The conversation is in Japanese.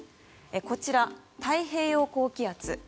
こちら、太平洋高気圧。